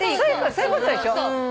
そういうことでしょ？